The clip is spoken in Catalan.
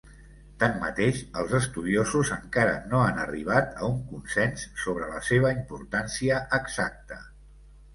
Tanmateix, els estudiosos encara no han arribat a un consens sobre la seva importància exacta.